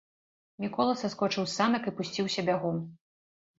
Мікола саскочыў з санак і пусціўся бягом.